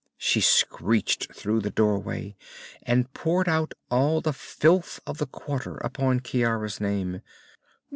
she shrieked through the doorway, and poured out all the filth of the quarter upon Ciara's name.